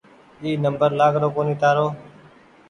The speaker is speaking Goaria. اي نمبر لآگرو ڪونيٚ تآرو